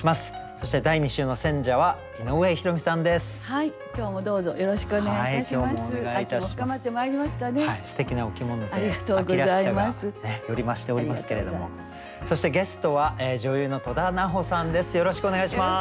そしてゲストは女優の戸田菜穂さんです。